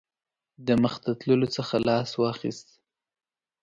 د مخته تللو څخه لاس واخیست.